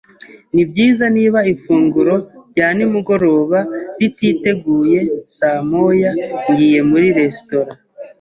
Nibyiza, niba ifunguro rya nimugoroba rititeguye saa moya, ngiye muri resitora.